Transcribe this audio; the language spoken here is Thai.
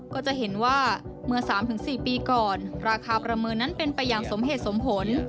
ก็จะเห็นว่าเมื่อ๓๔ปีก่อนราคาประเมินนั้นเป็นไปอย่างสมเหตุสมผล